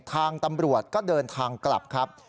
ทางตำรวจก็เดินทางกลับครับ